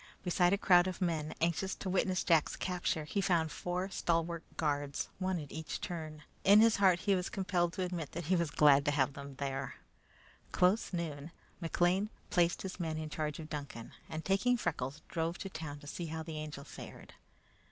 Besides a crowd of people anxious to witness Jack's capture, he found four stalwart guards, one at each turn. In his heart he was compelled to admit that he was glad to have them there. Close noon, McLean placed his men in charge of Duncan, and taking Freckles, drove to town to see how the Angel fared.